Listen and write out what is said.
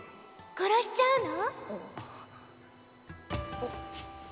殺しちゃうの？